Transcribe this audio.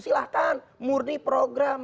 silahkan murni program